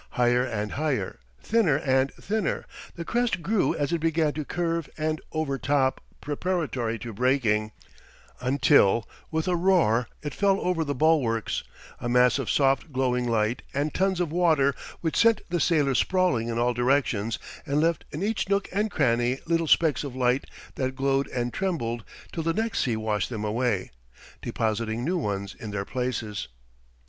Higher and higher, thinner and thinner, the crest grew as it began to curve and overtop preparatory to breaking, until with a roar it fell over the bulwarks, a mass of soft glowing light and tons of water which sent the sailors sprawling in all directions and left in each nook and cranny little specks of light that glowed and trembled till the next sea washed them away, depositing new ones in their places.